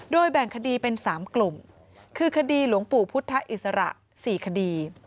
แบ่งคดีเป็น๓กลุ่มคือคดีหลวงปู่พุทธอิสระ๔คดี